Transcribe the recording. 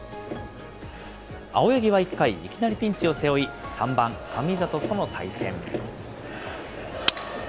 青柳は１回、いきなりピンチを背負い、３番神里との対戦。